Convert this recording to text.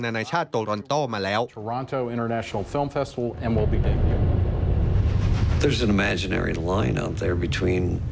นานาชาติโตรอนโต้มาแล้ว